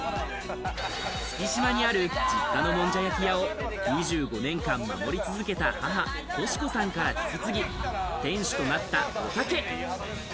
月島にある実家のもんじゃ焼き屋を２５年間守り続けた母・トシ子さんから引き継ぎ、店主となった、おたけ。